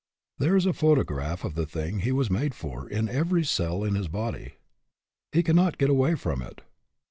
There is a photograph of the thing he was made for, in every cell in his body. He can not get away from it.